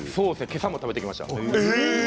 今朝も食べてきました。